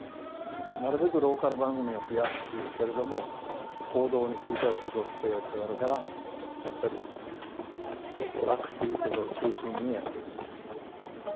なるべくローカル番組を増やすっていうけれども報道については自己規制がかかるからやっぱり娯楽ということを中心にやっていく。